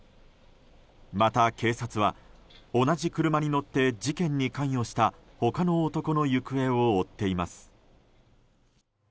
また、警察は同じ車に乗って事件に関与した他の男の行方を追っています。